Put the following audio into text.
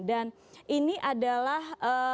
dan ini adalah